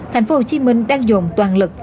thành phố hồ chí minh đang dùng toàn lực